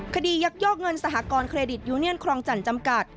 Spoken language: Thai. ยักยอกเงินสหกรณเครดิตยูเนียนครองจันทร์จำกัด